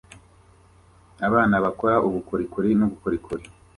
Abana bakora ubukorikori n'ubukorikori